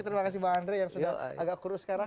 terima kasih bang andre yang sudah agak kurus sekarang